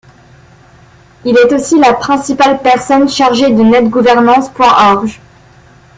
Il est aussi la principale personne chargée de Netgouvernance.org.